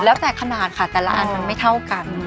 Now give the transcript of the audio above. แล้วแต่ขนาดค่ะแต่ละอันมันไม่เท่ากัน